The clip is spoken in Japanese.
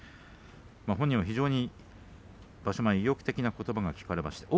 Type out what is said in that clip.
本人は非常に場所前に意欲的なことばが聞かれました。